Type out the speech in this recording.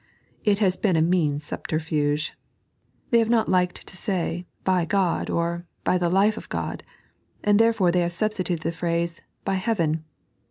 It has been a mean subterfuge. They have not liked to say, Sjf Ood, or By the Life of Ood, and therefore they have substituted the phrase, Sy Heaven..